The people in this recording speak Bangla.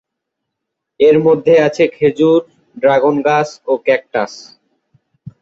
এর মধ্যে আছে খেজুর, ড্রাগন গাছ ও ক্যাকটাস।